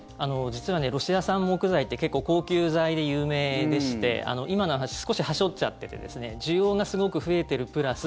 実はロシア産木材って結構、高級材で有名でして今の話、少しはしょっちゃってて需要がすごく増えているプラス